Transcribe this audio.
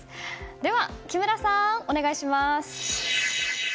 では木村さん、お願いします！